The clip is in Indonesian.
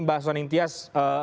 bapak susan intias